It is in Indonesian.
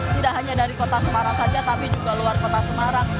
tidak hanya dari kota semarang saja tapi juga luar kota semarang